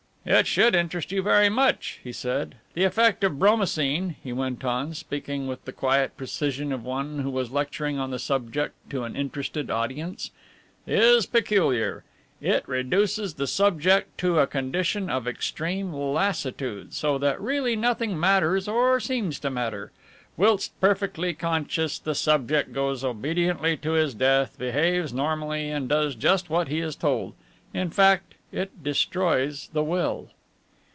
"It should interest you very much," he said. "The effect of Bromocine," he went on, speaking with the quiet precision of one who was lecturing on the subject to an interested audience, "is peculiar. It reduces the subject to a condition of extreme lassitude, so that really nothing matters or seems to matter. Whilst perfectly conscious the subject goes obediently to his death, behaves normally and does just what he is told in fact, it destroys the will."